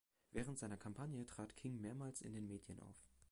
Während seiner Kampagne trat King mehrmals in den Medien auf.